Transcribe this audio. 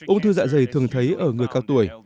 ung thư dạ dày thường thấy ở người cao tuổi